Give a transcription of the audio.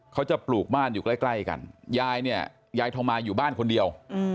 ปลูกบ้านอยู่ใกล้กันยายเนี่ยยายทองมาอยู่บ้านคนเดียว